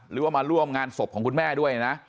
หรือว่ามาร่วมงานศพของคุณแม่ด้วยนะ